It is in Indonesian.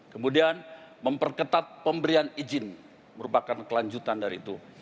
kemudian memperketat pemberian izin merupakan kelanjutan dari itu